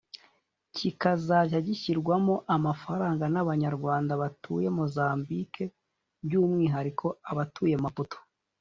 kikazajya gishyirwamo amafaranga n’abanyarwanda batuye Mozambique by’umwihariko abatuye Maputo